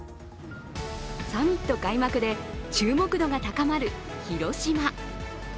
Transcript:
サミット開幕で注目度が高まる広島。